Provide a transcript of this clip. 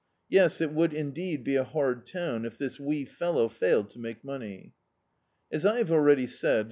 Yes, it would in deed be a hard town if this wee fellow failed to make money. As I have already said.